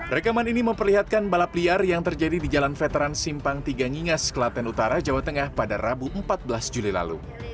rekaman ini memperlihatkan balap liar yang terjadi di jalan veteran simpang tiga ngingas klaten utara jawa tengah pada rabu empat belas juli lalu